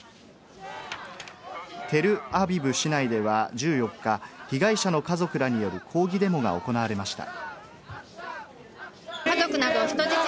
テルアビブ市内では１４日、被害者の家族らによる抗議デモが行われました。